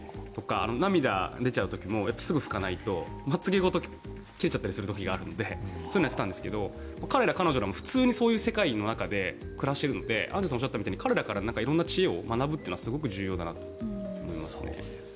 涙が出ちゃう時もすぐに拭かないとまつ毛ごと切れちゃったりすることがあるのでそういうのをやっていたんですが彼ら彼女らも普通にそういう世界の中で暮らしているのでアンジュさんがおっしゃったみたいに彼らから色んな知恵を学ぶのは重要だなと思います。